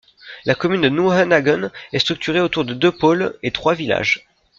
La commune de Neuenhagen est structurée autour de deux pôles et trois villages.